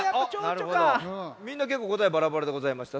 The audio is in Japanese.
みんなけっこうこたえバラバラでございました。